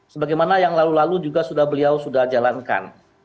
sebagaimana yang lalu lalu juga beliau sudah jalankan